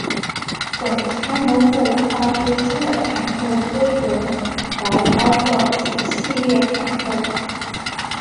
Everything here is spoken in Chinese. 总参谋部发出新的坦克规格来包括此系列坦克。